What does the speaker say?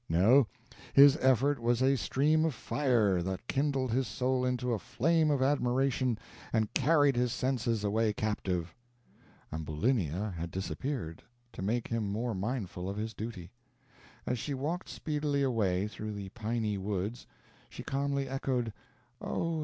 No, his effort was a stream of fire, that kindled his soul into a flame of admiration, and carried his senses away captive. Ambulinia had disappeared, to make him more mindful of his duty. As she walked speedily away through the piny woods, she calmly echoed: "O!